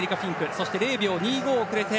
そして０秒２５遅れて。